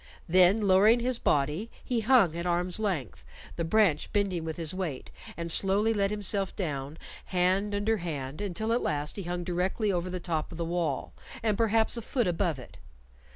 Then lowering his body, he hung at arm's length, the branch bending with his weight, and slowly let himself down hand under hand, until at last he hung directly over the top of the wall, and perhaps a foot above it.